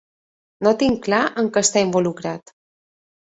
No tinc clar en què està involucrat.